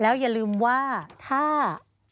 แล้วอย่าลืมว่าถ้า